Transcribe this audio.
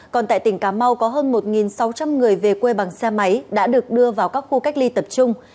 còn tại tỉnh cà mau có hơn một sáu trăm linh người về quê bằng xe máy đã được đưa vào các khu cách ly tập trung